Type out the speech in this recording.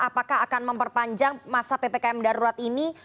apakah akan memperpanjang masa ppkm darurat ini